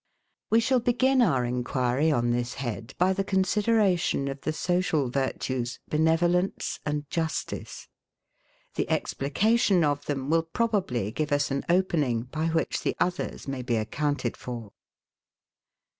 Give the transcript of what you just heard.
We shall begin our enquiry on this head by the consideration of the social virtues, Benevolence and Justice. The explication of them will probably give us an opening by which the others may be accounted for.